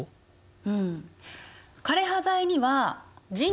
うん。